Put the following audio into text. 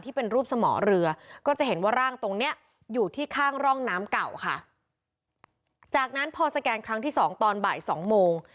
เป็นรูปสมอเรือก็จะเห็นว่าร่างตรงเนี้ยอยู่ที่ข้างร่องน้ำเก่าค่ะจากนั้นพอสแกนครั้งที่สองตอนบ่ายสองโมง